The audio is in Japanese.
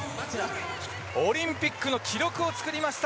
オリンピックの記録を作りました